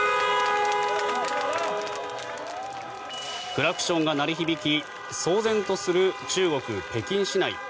クラクションが鳴り響き騒然とする中国・北京市内。